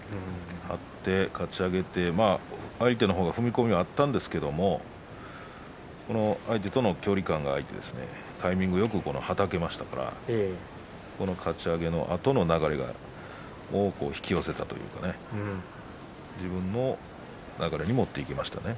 張ってかち上げて相手の方が踏み込みがあったんですけれど相手との距離感が空いてタイミングよくはたきましたからこのかち上げたあとの流れが多くを引き寄せたというか自分の流れに持っていけましたね。